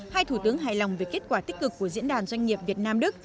hai thủ tướng hài lòng về kết quả tích cực của diễn đàn doanh nghiệp việt nam đức